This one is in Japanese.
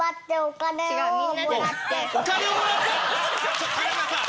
ちょっと田中さん！